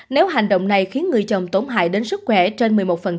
nếu hành động này khiến người chồng tổn hại đến sức khỏe trên một mươi một